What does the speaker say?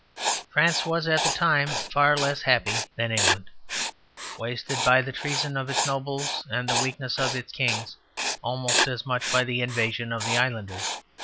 France was at the time far less happy than England wasted by the treason of its nobles and the weakness of its kings almost as much as by the invasion of the islanders.